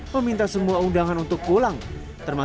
meminta semua undangan untuk pulang